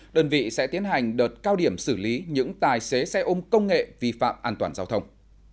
đơn vị sẽ tiến hành đợt cao điểm xử lý những tài xế xe ôm công nghệ vi phạm an toàn giao thông